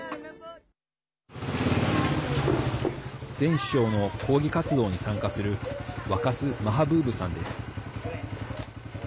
前首相の抗議活動に参加するワカス・マハブーブさんです。